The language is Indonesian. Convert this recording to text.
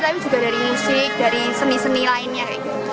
tapi juga dari musik dari seni seni lainnya